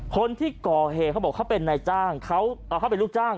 คนที่ก่อเหตุเขาบอกเขาเป็นนายจ้างเขาเป็นลูกจ้าง